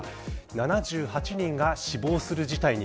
７８人が死亡する事態に。